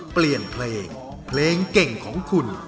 เปลี่ยนเพลงเพลงเก่งของคุณ